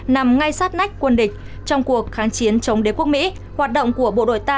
nằm ngay sát nách quân địch trong cuộc kháng chiến chống đế quốc mỹ hoạt động của bộ đội ta